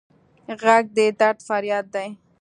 غږ د درد فریاد دی